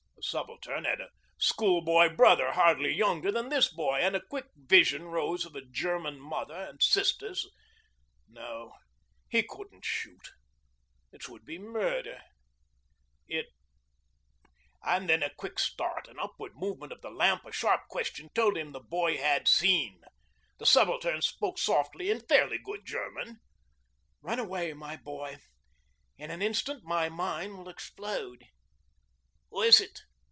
The Subaltern had a school boy brother hardly younger than this boy; and a quick vision rose of a German mother and sisters no, he couldn't shoot; it would be murder; it and then a quick start, an upward movement of the lamp, a sharp question, told him the boy had seen. The Subaltern spoke softly in fairly good German. 'Run away, my boy. In an instant my mine will explode.' 'Who is it?